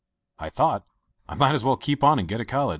I thought I might as well keep on and go to college!"